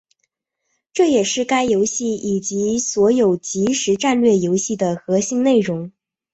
这也是该游戏以及所有即时战略游戏的核心内容。